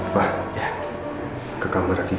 pak ke kamar vivi ip satu